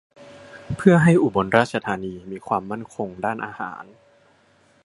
เพื่อให้อุบลราชธานีมีความมั่นคงด้านอาหาร